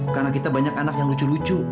karena kita banyak anak yang lucu lucu